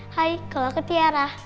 hai kalau aku tiara